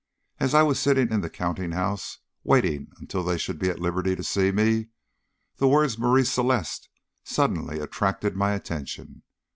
As I was sitting in the counting house waiting until they should be at liberty to see me, the words Marie Celeste suddenly attracted my attention.